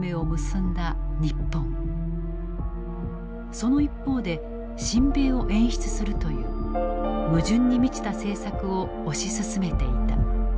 その一方で親米を演出するという矛盾に満ちた政策を推し進めていた。